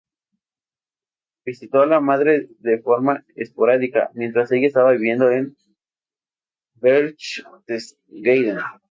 Visitó a su madre de forma esporádica, mientras ella estaba viviendo en Berchtesgaden.